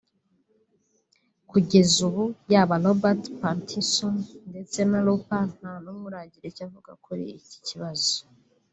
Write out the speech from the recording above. Kugeza ubu yaba Robert Pattinson ndetse na Ruper nta n’umwe uragira icyo avuga kuri iki kibazo